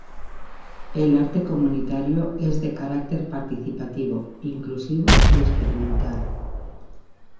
El arte comunitario es de carácter participativo, inclusivo y experimental.